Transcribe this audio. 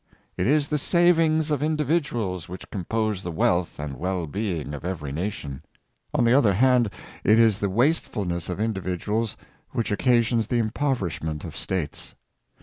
It is the savings of indi viduals which compose the wealth and the well being of every nation. On the other hand, it is the wasteful ness of individuals which occasions the impoverishment of states.